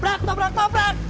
berat berat berat